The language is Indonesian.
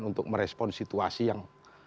untuk merespon situasi yang